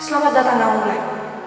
selamat datang kembali